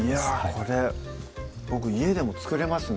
これ僕家でも作れますね